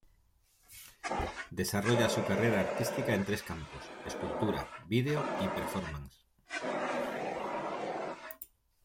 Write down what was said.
Desarrolla su carrera artística en tres campos: escultura, vídeo y performance.